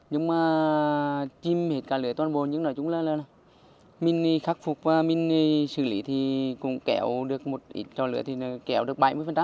nhưng mà chim hết cả lửa toàn bộ nhưng nói chung là mình khắc phục và mình xử lý thì cũng kéo được một ít cho lửa thì nó kéo được bảy mươi